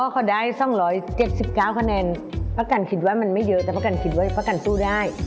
เขาได้๒๗๙คะแนนป้ากันคิดว่ามันไม่เยอะแต่ประกันคิดว่าประกันสู้ได้